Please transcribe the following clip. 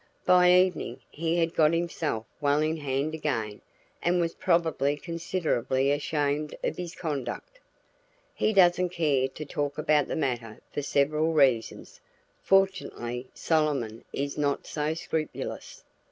By evening he had got himself well in hand again and was probably considerably ashamed of his conduct. He doesn't care to talk about the matter for several reasons. Fortunately Solomon is not so scrupulous."